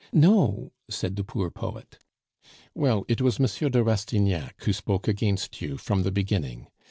"No," said the poor poet. "Well, it was M. de Rastignac who spoke against you from the beginning.